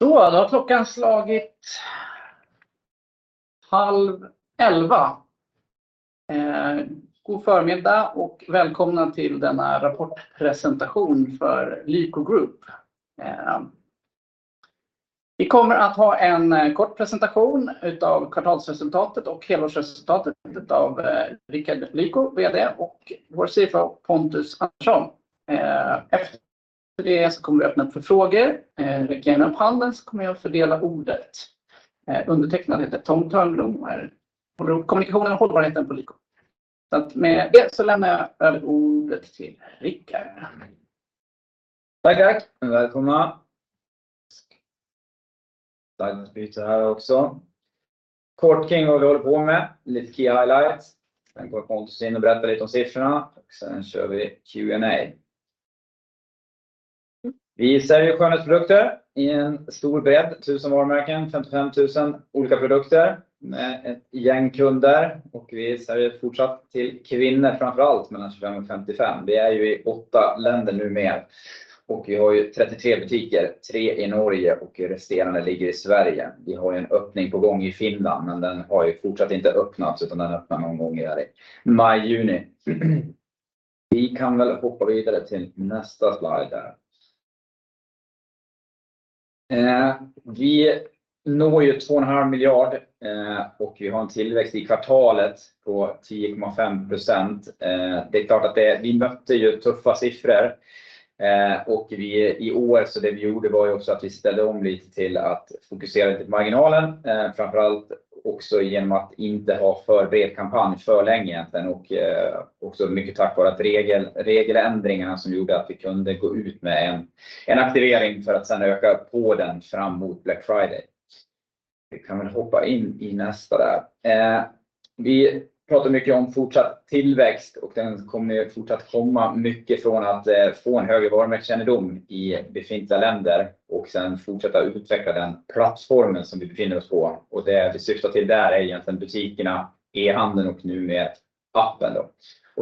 Då har klockan slagit 10:30 A.M. God förmiddag och välkomna till denna rapportpresentation för Lyko Group. Vi kommer att ha en kort presentation utav kvartalsresultatet och helårsresultatet av Rickard Lyko, VD, och vår CFO Pontus Andersson. Efter det kommer vi att öppna för frågor. Räck upp handen så kommer jag fördela ordet. Undertecknad heter Tom Thörnblom och är kommunikation och hållbarheten på Lyko. Med det lämnar jag över ordet till Rickard. Hej, hej. Välkomna. Slide byta här också. Kort kring vad vi håller på med. Lite key highlights. Går Pontus in och berättar lite om siffrorna. Kör vi Q&A. Vi säljer ju skönhetsprodukter i en stor bredd, 1,000 varumärken, 55,000 olika produkter med ett gäng kunder. Vi säljer fortsatt till kvinnor, framför allt mellan 25 och 55. Vi är ju i 8 länder nu med. Vi har ju 33 butiker, 3 i Norge och resterande ligger i Sverige. Vi har en öppning på gång i Finland, men den har fortsatt inte öppnats, utan den öppnar någon gång i maj, juni. Vi kan väl hoppa vidare till nästa slide där. Vi når ju 2.5 billion och vi har en tillväxt i kvartalet på 10.5%. Det är klart att det, vi mötte ju tuffa siffror, och vi i år, det vi gjorde var också att vi ställde om lite till att fokusera lite på marginalen, framför allt också igenom att inte ha för bred kampanj för länge egentligen. Också mycket tack vare att regeländringarna som gjorde att vi kunde gå ut med en aktivering för att sedan öka på den fram mot Black Friday. Vi kan väl hoppa in i nästa där. Vi pratar mycket om fortsatt tillväxt den kommer fortsatt komma mycket från att få en högre varumärkeskännedom i befintliga länder och sen fortsätta utveckla den plattformen som vi befinner oss på. Det vi syftar till där är egentligen butikerna, e-handeln och nu med appen då.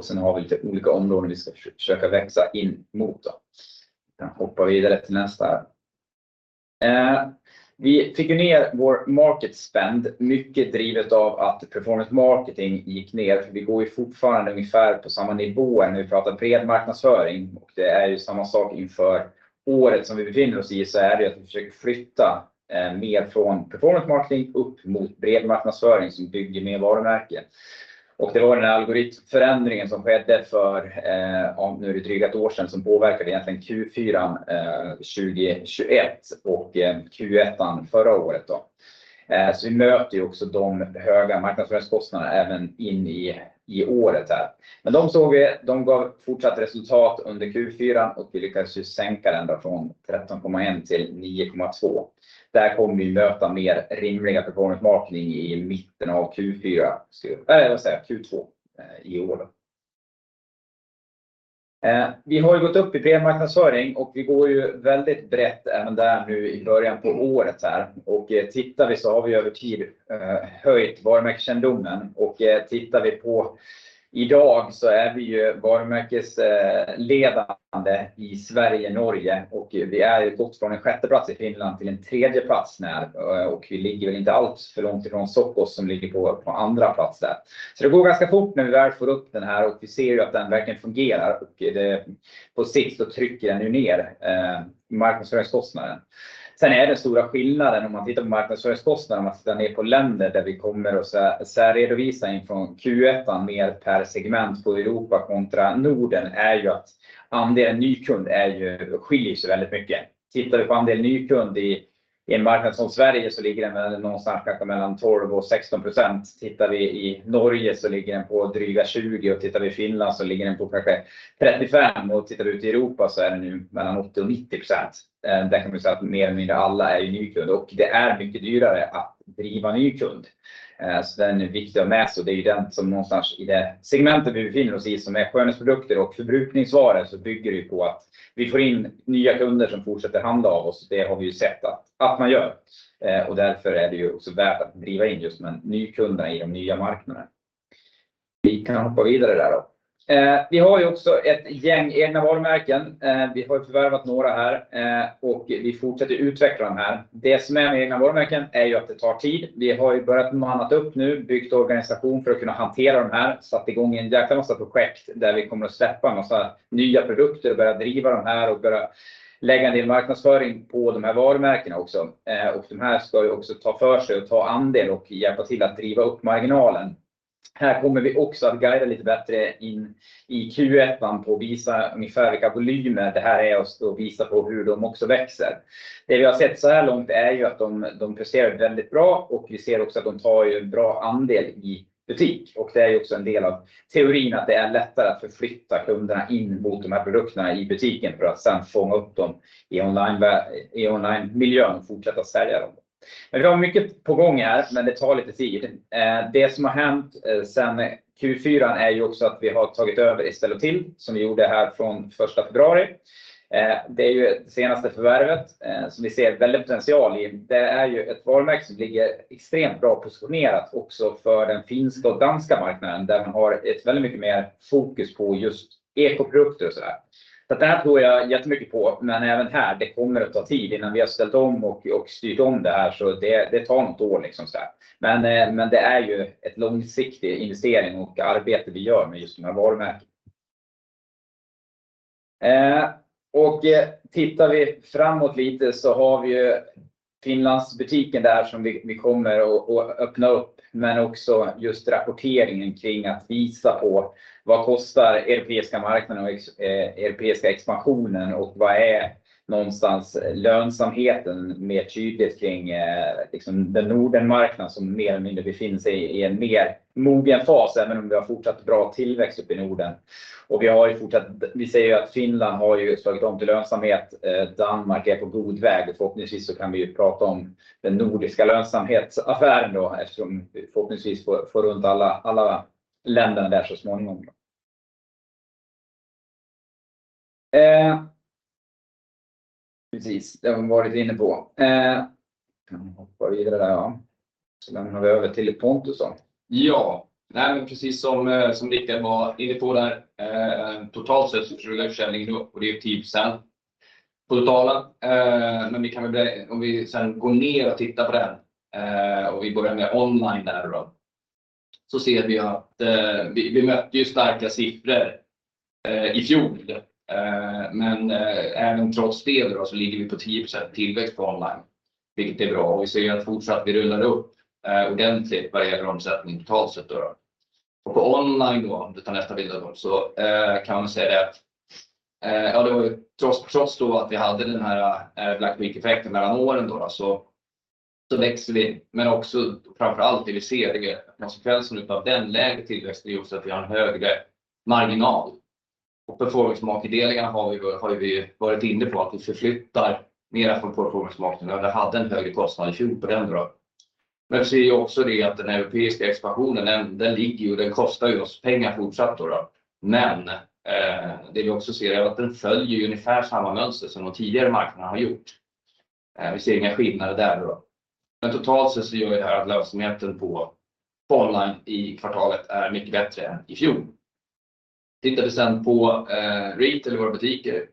Sen har vi lite olika områden vi ska försöka växa in mot då. Vi kan hoppa vidare till nästa här. Vi fick ju ner vår market spend, mycket drivet av att performance marketing gick ner. Vi går ju fortfarande ungefär på samma nivå när vi pratar bred marknadsföring och det är ju samma sak inför året som vi befinner oss i så är det att vi försöker flytta mer från performance marketing upp mot bred marknadsföring som bygger mer varumärken. Det var den här algoritmförändringen som skedde för, ja nu drygt ett år sedan som påverkade egentligen Q4 2021 och Q1 förra året då. Vi möter ju också de höga marknadsföringskostnaderna även in i året här. De såg vi, de gav fortsatt resultat under Q4 och vi lyckades ju sänka den från 13.1% till 9.2%. Där kommer vi möta mer rimliga performance marketing i mitten av Q4, eller ska jag säga Q2 i år då. Vi har ju gått upp i bred marknadsföring och vi går ju väldigt brett även där nu i början på året här. Tittar vi så har vi över tid höjt varumärkeskännedomen och tittar vi på i dag så är vi ju varumärkesledande i Sverige, Norge och vi har gått från en sjätte plats i Finland till en tredje plats när och vi ligger inte alltför långt ifrån Socos som ligger på andra plats där. Det går ganska fort när vi väl får upp den här och vi ser att den verkligen fungerar och det på sikt så trycker den ju ner marknadsföringskostnaden. Den stora skillnaden om man tittar på marknadsföringskostnaden, om man tittar ner på länder där vi kommer att särredovisa in från Q1 mer per segment på Europa kontra Norden är att andelen ny kund skiljer sig väldigt mycket. Tittar vi på andel ny kund i en marknad som Sverige så ligger den någonstans kanske mellan 12%-16%. Tittar vi i Norge så ligger den på dryga 20% och tittar vi i Finland så ligger den på kanske 35% och tittar vi ute i Europa så är det nu mellan 80%-90%. Där kan man säga att mer eller mindre alla är ny kund och det är mycket dyrare att driva ny kund. Den är viktig att mäta och det är den som någonstans i det segmentet vi befinner oss i som är skönhetsprodukter och förbrukningsvaror så bygger det på att vi får in nya kunder som fortsätter handla av oss. Det har vi sett att man gör och därför är det också värt att driva in just med nykunderna i de nya marknaderna. Vi kan hoppa vidare där då. Vi har ju också ett gäng egna varumärken. Vi har förvärvat några här, och vi fortsätter utveckla de här. Det som är med egna varumärken är ju att det tar tid. Vi har börjat mannat upp nu, byggt organisation för att kunna hantera de här, satt i gång en jäkla massa projekt där vi kommer att släppa en massa nya produkter och börja driva de här och börja lägga en del marknadsföring på de här varumärkena också. De här ska ju också ta för sig och ta andel och hjälpa till att driva upp marginalen. Här kommer vi också att guida lite bättre in i Q1 på att visa ungefär vilka volymer det här är och visa på hur de också växer. Det vi har sett såhär långt är ju att de presterar väldigt bra och vi ser också att de tar ju en bra andel i butik. Och det är ju också en del av teorin att det är lättare att förflytta kunderna in mot de här produkterna i butiken för att sen fånga upp dem i onlinemiljön och fortsätta sälja dem. Vi har mycket på gång här, men det tar lite tid. Det som har hänt sen Q4 är ju också att vi har tagit över Estelle & Thild, som vi gjorde här från first February. Det är ju det senaste förvärvet som vi ser väldigt potential i. Det är ju ett varumärke som ligger extremt bra positionerat också för den finska och danska marknaden, där man har ett väldigt mycket mer fokus på just ekoprodukter och sådär. Det här tror jag jättemycket på, men även här, det kommer att ta tid innan vi har ställt om och styrt om det här. Det tar något år liksom så här. Det är ju ett långsiktig investering och arbete vi gör med just de här varumärkena. Tittar vi framåt lite så har vi ju Finlandsbutiken där som vi kommer att öppna upp, men också just rapporteringen kring att visa på vad kostar europeiska marknaden och europeiska expansionen och vad är någonstans lönsamheten mer tydligt kring liksom den Nordenmarknad som mer eller mindre befinner sig i en mer mogen fas, även om vi har fortsatt bra tillväxt upp i Norden. Vi har ju fortsatt, vi ser ju att Finland har ju slagit om till lönsamhet, Danmark är på god väg och förhoppningsvis så kan vi ju prata om den nordiska lönsamhetsaffären då eftersom vi förhoppningsvis får runt alla länderna där så småningom då. Precis, det har vi varit inne på. Kan hoppa vidare där ja. Lämnar vi över till Pontus då. Precis som Rickard var inne på där, totalt sett rullar försäljningen upp och det är 10% på totalen. Om vi sedan går ner och tittar på den, vi börjar med online där då. Ser vi att vi mötte ju starka siffror i fjol. Även trots det då ligger vi på 10% tillväxt på online, vilket är bra. Vi ser att fortsatt vi rullar upp ordentligt vad det gäller omsättning totalt sett då. På online då, om du tar nästa bild då, kan vi se det att det var trots då att vi hade den här Black Week-effekten mellan åren då så växer vi. Också framför allt det vi ser det konsekvensen utav den lägre tillväxten är just att vi har en högre marginal. Performance marketing-delarna har vi varit inne på att vi förflyttar mer från performance marketing där vi hade en högre kostnad i fjol på den då. Vi ser ju också det att den europeiska expansionen, den ligger ju och den kostar ju oss pengar fortsatt då då. Det vi också ser är att den följer ungefär samma mönster som de tidigare marknaderna har gjort. Vi ser inga skillnader där då. Totalt sett så gör det här att lönsamheten på online i kvartalet är mycket bättre än i fjol. Tittar vi sen på retail eller våra butiker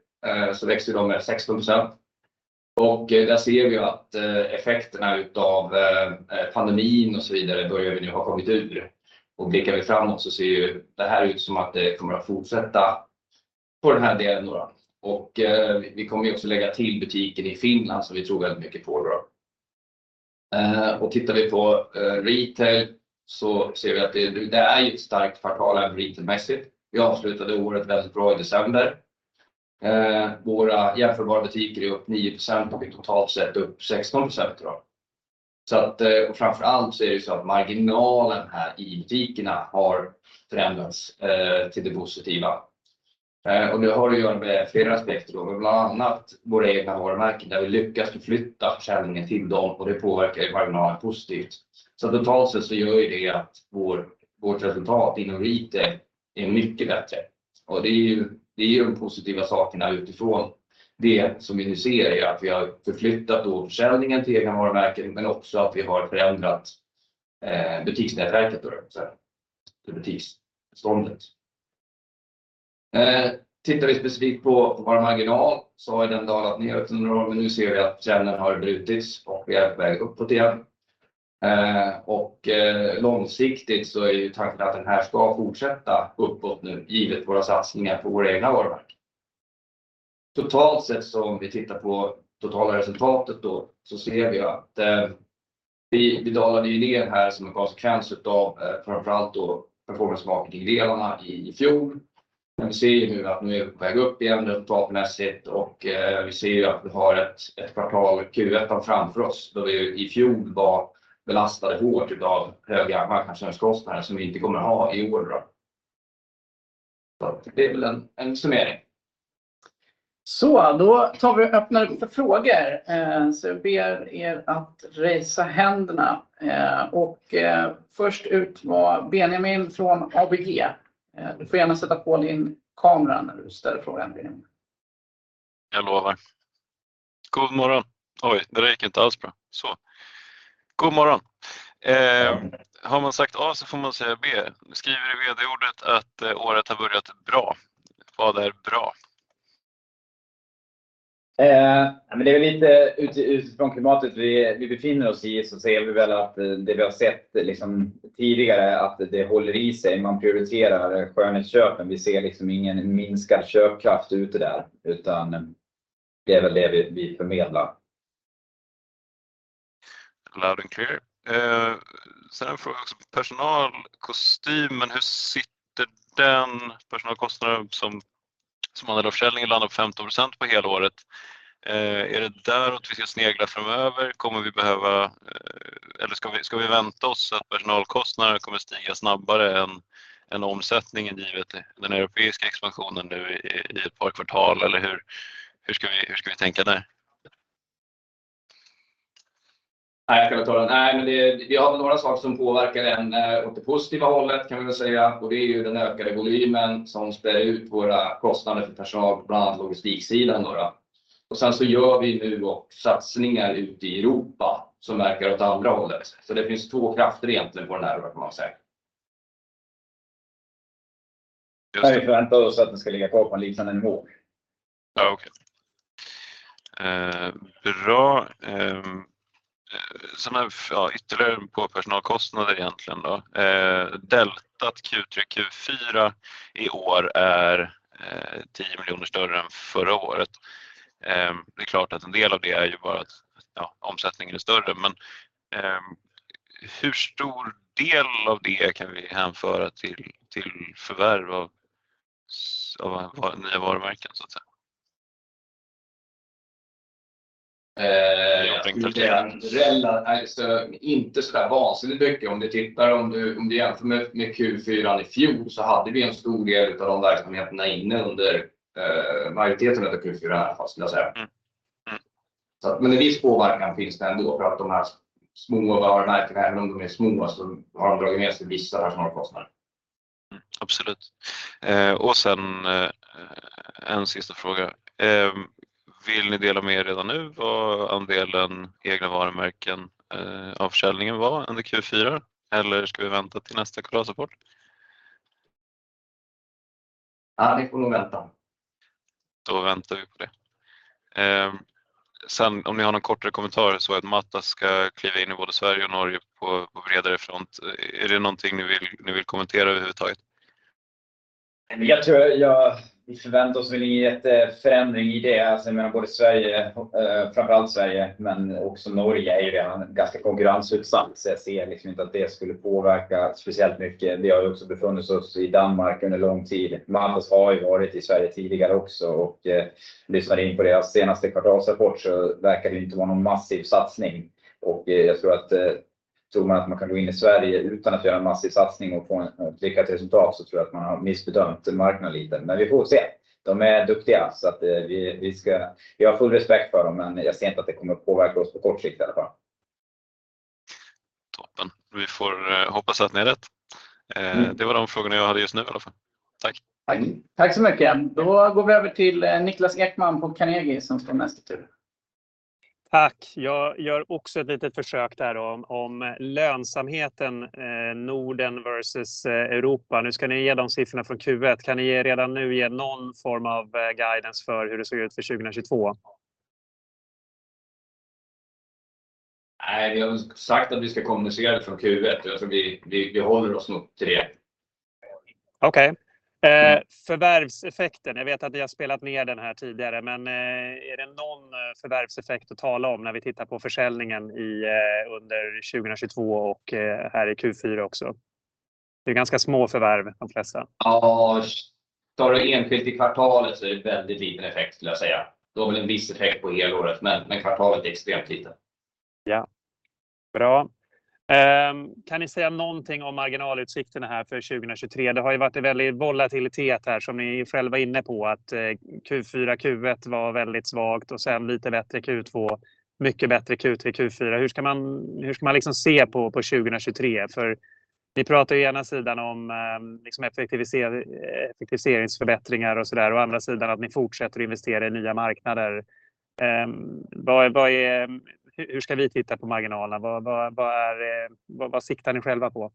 så växer de med 16%. Där ser vi att effekterna utav pandemin och så vidare börjar vi nu har kommit ur. Blickar vi framåt så ser ju det här ut som att det kommer att fortsätta på den här delen då. Vi kommer också lägga till butiken i Finland som vi tror väldigt mycket på då. Tittar vi på retail så ser vi att det är ju ett starkt kvartal även retailmässigt. Vi avslutade året väldigt bra i december. Våra jämförbara butiker är upp 9% och vi totalt sett upp 16% då. Framför allt så är det ju så att marginalen här i butikerna har förändrats till det positiva. Det har att göra med flera aspekter då, bland annat vår egna varumärken där vi lyckas förflytta försäljningen till dem och det påverkar ju marginalen positivt. Totalt sett så gör ju det att vårt resultat inom retail är mycket bättre. Det är ju de positiva sakerna utifrån det som vi nu ser är att vi har förflyttat då försäljningen till egna varumärken, men också att vi har förändrat butiksnätverket då, eller butiksbeståndet. Tittar vi specifikt på vår marginal så har den dalat ner under några år, men nu ser vi att trenden har brutits och vi är på väg uppåt igen. Långsiktigt så är ju tanken att den här ska fortsätta uppåt nu givet våra satsningar på våra egna varumärken. Totalt sett, om vi tittar på totala resultatet då, så ser vi att vi dalade ju ner här som en konsekvens utav framför allt då performance marketing-delarna i fjol. Vi ser ju nu att nu är vi på väg upp igen, upp på APN och vi ser att vi har ett kvartal, Q1 då framför oss då vi ju i fjol var belastade hårt utav höga marknadsföringskostnader som vi inte kommer att ha i år då. Det är väl en summering. Då tar vi och öppnar upp för frågor. Jag ber er att raise:a händerna. Och först ut var Benjamin från ABG. Du får gärna sätta på din kamera när du ställer frågan, Benjamin. Jag lovar. God morgon. Oj, det där gick inte alls bra. God morgon. Har man sagt A så får man säga B. Du skriver i VD-ordet att året har börjat bra. Vad är bra? Det är väl lite utifrån klimatet vi befinner oss i så ser vi väl att det vi har sett liksom tidigare att det håller i sig. Man prioriterar skönhetsköpen. Vi ser liksom ingen minskad köpkraft ute där, utan det är väl det vi förmedlar. Loud and clear. Sen en fråga också på personalkostym. Hur sitter den personalkostnaden som andel av försäljningen landar på 15% på helåret? Är det däråt vi ska snegla framöver? Kommer vi behöva, eller ska vi vänta oss att personalkostnaden kommer stiga snabbare än omsättningen givet den europeiska expansionen nu i ett par kvartal? Hur ska vi tänka där? Nej, ska jag ta den. Vi har några saker som påverkar den åt det positiva hållet kan vi väl säga. Det är ju den ökade volymen som sprider ut våra kostnader för personal, bland annat logistiksidan då. Sen så gör vi nu också satsningar ute i Europa som verkar åt andra hållet. Det finns två krafter egentligen på den här kan man säga. Vi förväntar oss att den ska ligga kvar på en liknande nivå. Okej. Bra. Sen har jag ytterligare en på personalkostnader egentligen då. Deltat Q3, Q4 i år är 10 million SEK större än förra året. Det är klart att en del av det är ju bara att omsättningen är större. Hur stor del av det kan vi hänföra till förvärv av nya varumärken så att säga? Jag skulle säga, alltså inte sådär vansinnigt mycket. Om du tittar, om du jämför med Q4 i fjol så hade vi en stor del av de verksamheterna inne under majoriteten av det Q4 i alla fall skulle jag säga. En viss påverkan finns det ändå för att de här små varumärkena, även om de är små, så har de dragit med sig vissa personalkostnader. Absolut. Sen en sista fråga. Vill ni dela med er redan nu vad andelen egna varumärken, av försäljningen var under Q4? Ska vi vänta till nästa kvartalsrapport? Ja, ni får nog vänta. Då väntar vi på det. Om ni har någon kortare kommentar så att Matas ska kliva in i både Sverige och Norge på bredare front. Är det någonting ni vill kommentera överhuvudtaget? Jag tror, vi förväntar oss väl ingen jätteförändring i det. Alltså jag menar både Sverige, framför allt Sverige, men också Norge är ju redan ganska konkurrensutsatt. Jag ser liksom inte att det skulle påverka speciellt mycket. Vi har också befunnit oss i Danmark under lång tid. Matas har ju varit i Sverige tidigare också och lyssnade in på deras senaste kvartalsrapport så verkar det ju inte vara någon massiv satsning. Jag tror att tror man att man kan gå in i Sverige utan att göra en massiv satsning och få ett lyckat resultat så tror jag att man har missbedömt marknaden lite. Vi får se. De är duktiga så att vi ska... Jag har full respekt för dem, men jag ser inte att det kommer påverka oss på kort sikt i alla fall. Toppen. Vi får hoppas att det är rätt. Det var de frågor jag hade just nu i alla fall. Tack. Tack. Tack så mycket. Då går vi över till Niklas Ekman på Carnegie som står näst i tur. Tack. Jag gör också ett litet försök där då om lönsamheten, Norden versus Europa. Nu ska ni ge de siffrorna från Q1. Kan ni ge redan nu någon form av guidance för hur det ser ut för 2022? Nej, vi har sagt att vi ska kommunicera det från Q1. Vi håller oss nog till det. Okej. förvärvseffekten. Jag vet att ni har spelat ner den här tidigare, men är det någon förvärvseffekt att tala om när vi tittar på försäljningen i under 2022 och här i Q4 också? Det är ganska små förvärv de flesta. Tar du enskilt i kvartalet så är det väldigt liten effekt skulle jag säga. Det har väl en viss effekt på helåret, men kvartalet är extremt liten. Ja, bra. Kan ni säga någonting om marginalutsikterna här för 2023? Det har ju varit en väldig volatilitet här som ni själva är inne på att Q4, Q1 var väldigt svagt och sen lite bättre Q2, mycket bättre Q3, Q4. Hur ska man liksom se på 2023? Ni pratar ju ena sidan om liksom effektiviseringsförbättringar och sådär. Å andra sidan att ni fortsätter investera i nya marknader. Vad är? Hur ska vi titta på marginalen? Vad är, vad siktar ni själva på?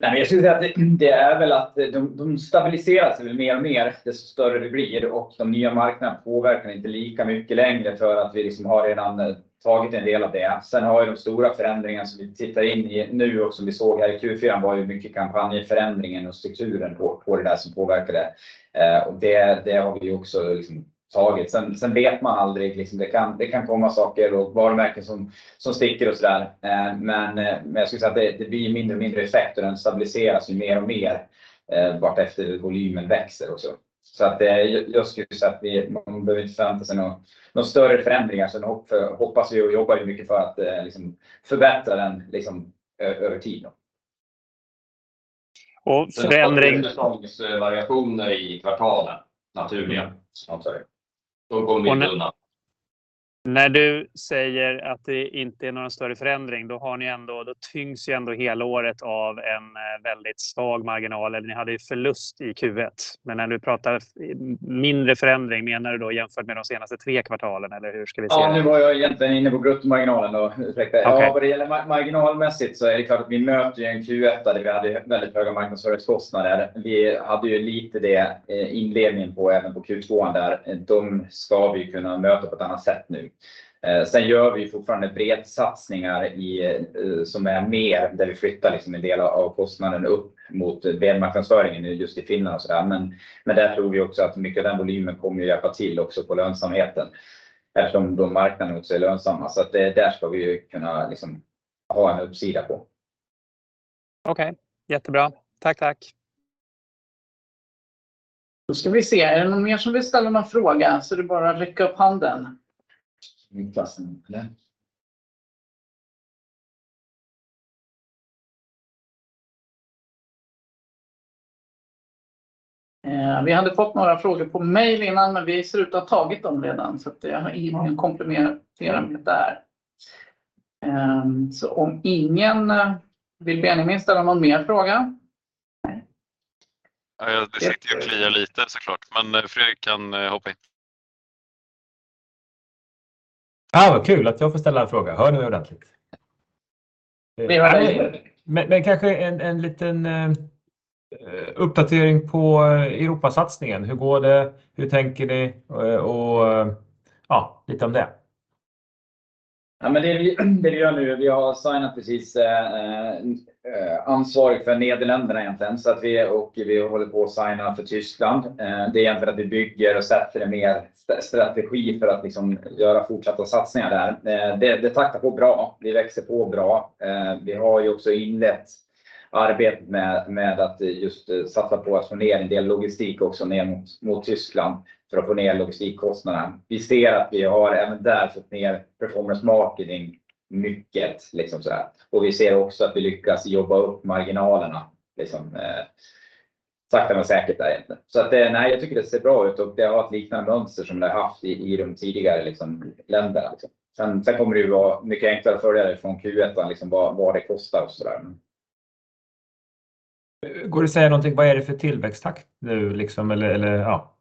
Nej, jag skulle säga att det är väl att de stabiliserar sig väl mer och mer desto större det blir. De nya marknaderna påverkar inte lika mycket längre för att vi liksom har redan tagit en del av det. De stora förändringar som vi tittar in i nu och som vi såg här i Q4 var ju mycket kampanjförändringen och strukturen på det där som påverkade. Det har vi ju också liksom tagit. Vet man aldrig liksom. Det kan komma saker och varumärken som sticker och sådär. Jag skulle säga att det blir mindre och mindre effekt och den stabiliseras ju mer och mer, vartefter volymen växer också. Det är just det så att vi, man behöver inte förvänta sig någon större förändringar. hoppas vi och jobbar ju mycket för att liksom förbättra den liksom över tid då. Och förändring- Variationer i kvartalen naturligen, som sagt. De kommer ju undan. När du säger att det inte är någon större förändring, då har ni ändå, då tyngs ju ändå helåret av en väldigt svag marginal. Ni hade ju förlust i Q1. När du pratar mindre förändring, menar du då jämfört med de senaste 3 kvartalen eller hur ska vi se det? Nu var jag egentligen inne på bruttomarginalen då. Ursäkta. Vad det gäller marginalmässigt så är det klart att vi möter ju en Q1 där vi hade väldigt höga marknadsservicekostnader. Vi hade ju lite det inledningen på även på Q2 där de ska vi kunna möta på ett annat sätt nu. Gör vi fortfarande bredsatsningar i som är mer där vi flyttar liksom en del av kostnaden upp mot varumärkesmarknadsföringen just i Finland och sådär. Där tror vi också att mycket av den volymen kommer att hjälpa till också på lönsamheten. Eftersom de marknaderna också är lönsamma. Det där ska vi kunna liksom ha en uppsida på. Okay, jättebra. Tack, tack. Då ska vi se. Är det någon mer som vill ställa någon fråga? Är det bara att räcka upp handen. Niklas. Vi hade fått några frågor på mail innan, men vi ser ut att ha tagit dem redan. Jag har ingen komplementerande där. Om ingen vill Benjamin ställa någon mer fråga? Nej. Det sitter och kliar lite så klart, men Fredrik kan hoppa in. Ja, vad kul att jag får ställa en fråga. Hör ni mig ordentligt? Kanske en liten uppdatering på Europasatsningen. Hur går det? Hur tänker ni? Ja, lite om det. Det vi gör nu, vi har signat precis, ansvarig för Nederländerna egentligen. Vi håller på att signa för Tyskland. Vi bygger och sätter en mer strategi för att göra fortsatta satsningar där. Det taktar på bra, det växer på bra. Vi har ju också inlett arbetet med att just satsa på att få ner en del logistik också ner mot Tyskland för att få ner logistikkostnaden. Vi ser att vi har även där fått ner performance marketing mycket. Vi ser också att vi lyckas jobba upp marginalerna, sakta men säkert där egentligen. Jag tycker det ser bra ut och det har ett liknande mönster som det haft i de tidigare länderna. Kommer det ju vara mycket enklare att följa det från Q1, liksom vad det kostar och sådär. Går det att säga någonting? Vad är det för tillväxttakt nu, liksom? Eller ja,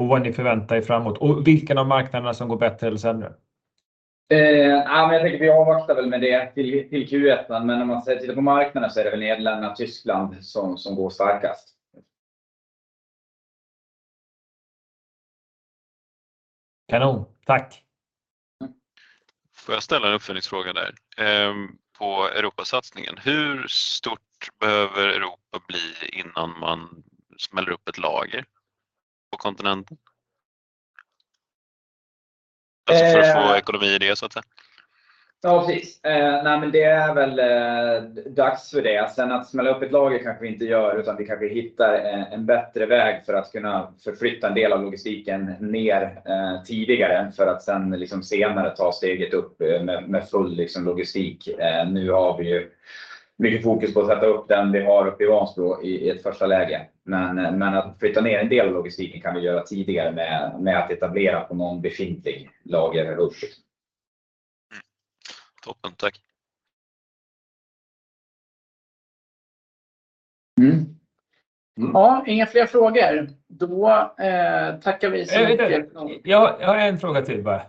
och vad ni förväntar er framåt? Vilken av marknaderna som går bättre eller sämre? Ja, men jag tänker vi avvaktar väl med det till Q1. När man ser till det på marknaden så är det väl Nederländerna, Tyskland som går starkast. Kanon, tack. Får jag ställa en uppföljningsfråga där? På Europasatsningen. Hur stort behöver Europa bli innan man smäller upp ett lager på kontinenten? Alltså för att få ekonomi i det så att säga. Precis. Det är väl dags för det. Att smälla upp ett lager kanske vi inte gör, utan vi kanske hittar en bättre väg för att kunna förflytta en del av logistiken ner tidigare för att sen liksom senare ta steget upp med full liksom logistik. Nu har vi ju mycket fokus på att sätta upp den vi har upp i Vansbro i ett första läge. Att flytta ner en del av logistiken kan vi göra tidigare med att etablera på någon befintlig lagerhubb. Toppen, tack. Ja, inga fler frågor. Tackar vi så mycket. Jag har en fråga till bara.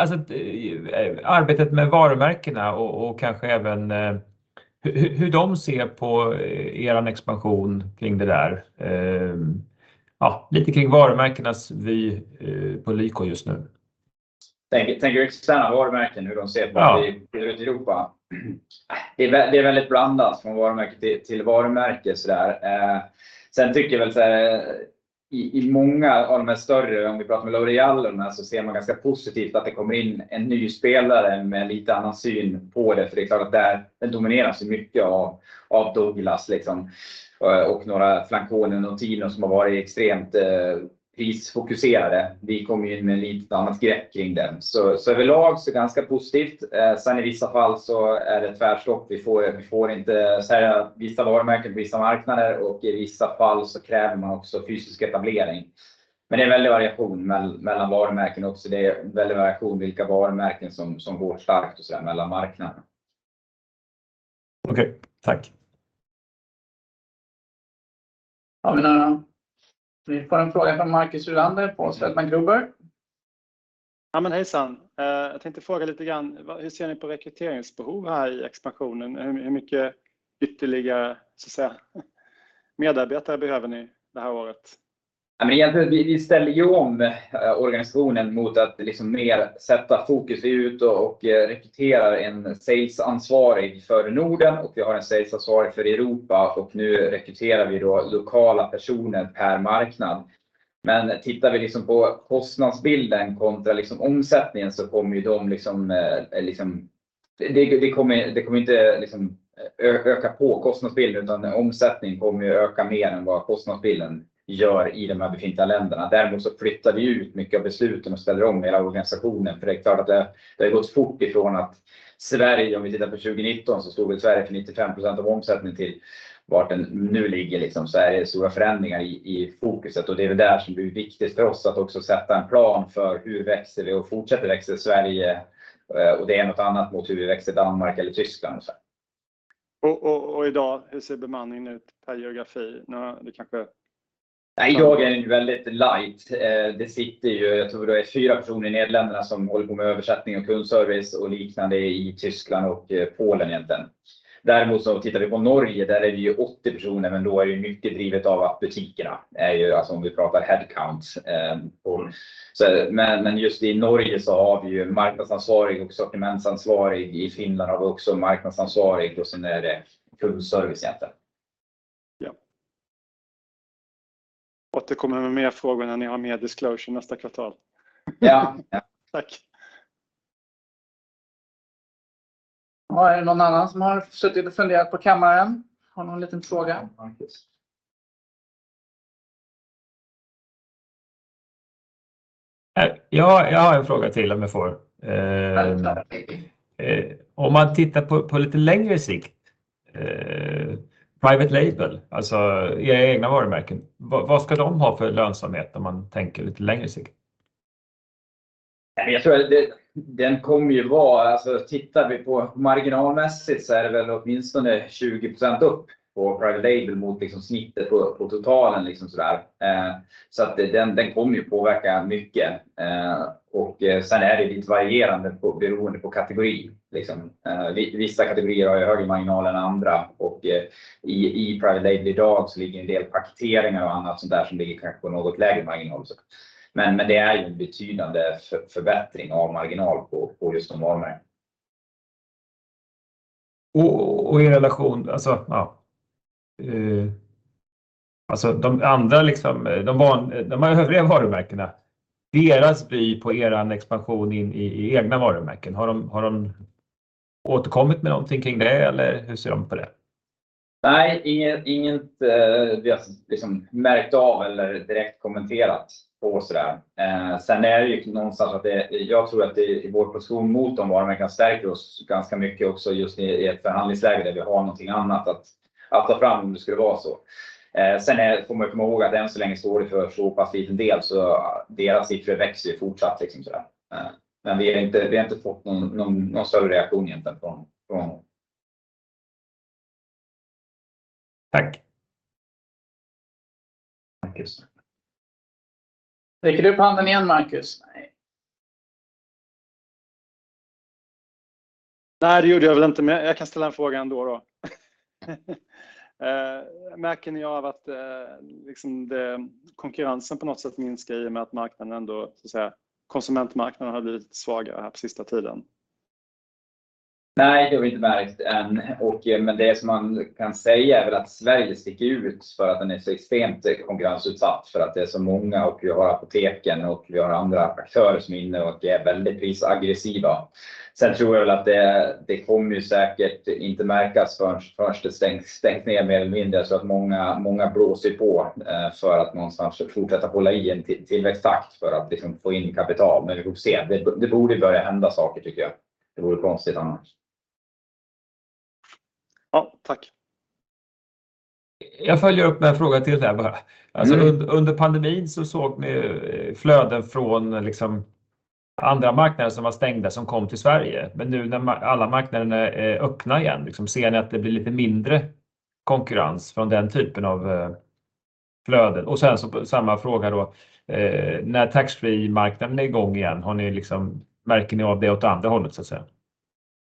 Alltså, arbetet med varumärkena och kanske även hur de ser på eran expansion kring det där. Ja, lite kring varumärkenas vy på Lyko just nu. Tänker externa varumärken, hur de ser på att vi bygger ut i Europa. Det är väldigt blandat från varumärke till varumärke sådär. Tycker jag väl såhär, i många av de här större, om vi pratar med L'Oréal och de här, så ser man ganska positivt att det kommer in en ny spelare med lite annan syn på det. Det är klart att där, den domineras ju mycket av Douglas liksom och några flaconi och Notino som har varit extremt prisfokuserade. Vi kommer ju in med ett lite annat grepp kring det. Överlag så ganska positivt. I vissa fall så är det tvärstopp. Vi får inte sälja vissa varumärken på vissa marknader och i vissa fall så kräver man också fysisk etablering. Det är väldigt variation mellan varumärken också. Det är väldigt variation vilka varumärken som går starkt så att säga mellan marknader. Okay, thanks. Har vi några? Vi får en fråga från Markus Uhlander på Söderberg & Partners. Hejsan. Jag tänkte fråga lite grann. Hur ser ni på rekryteringsbehov här i expansionen? Hur mycket ytterligare så att säga medarbetare behöver ni det här året? Egentligen, vi ställer ju om organisationen mot att liksom mer sätta fokus. Vi är ute och rekryterar en salesansvarig för Norden och vi har en salesansvarig för Europa och nu rekryterar vi då lokala personer per marknad. Tittar vi liksom på kostnadsbilden kontra liksom omsättningen så kommer ju de liksom... Det kommer inte liksom öka på kostnadsbilden, utan omsättning kommer ju öka mer än vad kostnadsbilden gör i de här befintliga länderna. Däremot så flyttar vi ut mycket av besluten och ställer om hela organisationen. Det är klart att det har gått fort ifrån att Sverige, om vi tittar på 2019, så stod väl Sverige för 95% av omsättningen till vart den nu ligger liksom. Det är stora förändringar i fokuset och det är väl där som det blir viktigt för oss att också sätta en plan för hur växer vi och fortsätter växa i Sweden. Det är något annat mot hur vi växer i Denmark eller Germany så. I dag, hur ser bemanningen ut per geografi? Det kanske... I dag är det väldigt light. Det sitter ju, jag tror det är 4 personer i Nederländerna som håller på med översättning och kundservice och liknande i Tyskland och Polen egentligen. Däremot tittar vi på Norge, där är vi ju 80 personer, men då är det ju mycket drivet av butikerna. Är ju, alltså om vi pratar headcount. Just i Norge så har vi ju marknadsansvarig och sortimentsansvarig. I Finland har vi också marknadsansvarig och det är kundservice helt enkelt. Ja. Återkommer med mer frågor när ni har mer disclosure nästa kvartal. Ja. Tack. Är det någon annan som har suttit och funderat på kammaren? Har någon liten fråga? Jag har en fråga till om jag får? Självklart. Om man tittar på lite längre sikt, private label, alltså era egna varumärken. Vad ska de ha för lönsamhet om man tänker lite längre sikt? Jag tror att den kommer ju vara, alltså tittar vi på marginalmässigt så är det väl åtminstone 20% upp på private label mot liksom snittet på totalen liksom sådär. Den kommer ju påverka mycket. Det är lite varierande på beroende på kategori liksom. Vissa kategorier har ju högre marginal än andra och i private label i dag så ligger en del paketeringar och annat sånt där som ligger kanske på något lägre marginal också. Det är ju en betydande förbättring av marginal på liston varumärken. I relation, alltså ja, de andra liksom, de här övriga varumärkena, deras vy på eran expansion in i egna varumärken, har de återkommit med någonting kring det eller hur ser de på det? Nej, inget vi har liksom märkt av eller direkt kommenterat på sådär. Är det ju någonstans att det, jag tror att det i vår position mot de varumärken stärker oss ganska mycket också just i ett förhandlingsläge där vi har någonting annat att ta fram om det skulle vara så. Får man ju komma ihåg att än så länge står det för så pass liten del. Deras siffror växer ju fortsatt liksom sådär. Vi har inte, vi har inte fått någon större reaktion egentligen från. Tack. Markus. Räcker du upp handen igen, Markus? Nej. Nej, det gjorde jag väl inte. Jag kan ställa en fråga ändå då. Märker ni av att liksom det konkurrensen på något sätt minskar i och med att marknaden ändå så att säga konsumentmarknaden har blivit svagare här på sista tiden? Nej, det har vi inte märkt än. Men det som man kan säga är väl att Sverige sticker ut för att den är så extremt konkurrensutsatt för att det är så många och vi har apoteken och vi har andra aktörer som är inne och är väldigt prisaggressiva. Jag tror väl att det kommer ju säkert inte märkas förrän det stängt ner mer eller mindre så att många blåser på för att någonstans fortsätta hålla i en tillväxttakt för att liksom få in kapital. Vi får se. Det borde ju börja hända saker tycker jag. Det vore konstigt annars. Ja, tack. Jag följer upp med en fråga till där bara. Under pandemin så såg ni flöden från liksom andra marknader som var stängda som kom till Sverige. Nu när alla marknaderna är öppna igen, ser ni att det blir lite mindre konkurrens från den typen av flöden? Samma fråga då, när tax-free-marknaden är i gång igen, har ni liksom märker ni av det åt andra hållet så att säga?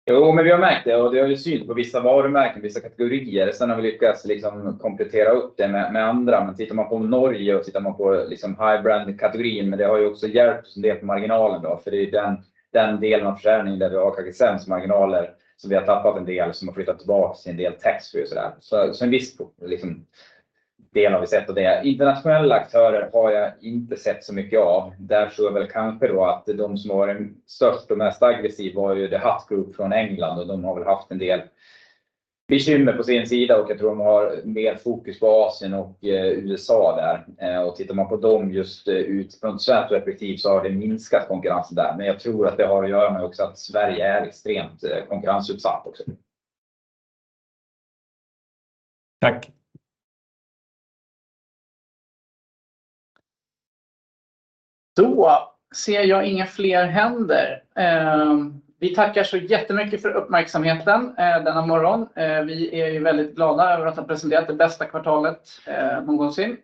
Vi har märkt det och vi har ju syn på vissa varumärken, vissa kategorier. Vi har lyckats liksom komplettera upp det med andra. Tittar man på Norge och tittar man på liksom high brand-kategorin, men det har ju också hjälpt en del på marginalen då, för det är den delen av försäljning där vi har kanske sämst marginaler som vi har tappat en del som har flyttat tillbaka en del tax-free och sådär. En viss liksom del har vi sett av det. Internationella aktörer har jag inte sett så mycket av. Där tror jag väl kanske då att de som har en störst och mest aggressiv var ju The Hut Group från England och de har väl haft en del bekymmer på sin sida och jag tror de har mer fokus på Asia och USA där. Tittar man på dem just ut från Sverige perspektiv så har det minskat konkurrensen där. Jag tror att det har att göra med också att Sverige är extremt konkurrensutsatt också. Tack. Då ser jag inga fler händer. Vi tackar så jättemycket för uppmärksamheten denna morgon. Vi är ju väldigt glada över att ha presenterat det bästa kvartalet någonsin.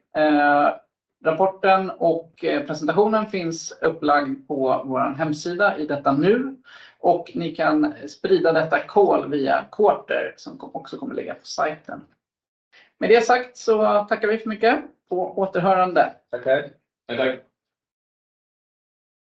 Rapporten och presentationen finns upplagd på vår hemsida i detta nu och ni kan sprida detta call via Quartr som också kommer ligga på sajten. Med det sagt så tackar vi för mycket. På återhörande. Tack, tack. Tack, tack.